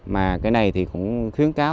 mà cái này thì cũng khuyến cáo